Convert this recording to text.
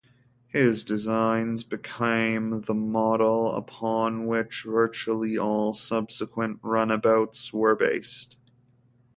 His designs became the model upon which virtually all subsequent runabouts were based.